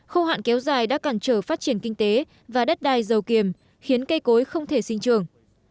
khâu hạn kéo dài đã cản trở phát triển kinh tế và đất đai dầu kiềm khiến cây cối không thể sinh trường